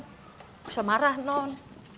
gak usah marah non